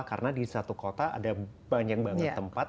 karena di satu kota ada banyak banget tempat